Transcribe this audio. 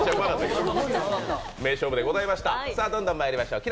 名勝負でございました。